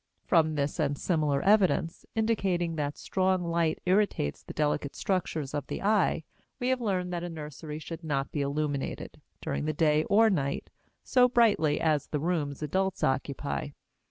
From this and similar evidence, indicating that strong light irritates the delicate structures of the eye, we have learned that a nursery should not be illuminated, during the day or night, so brightly as the rooms adults occupy.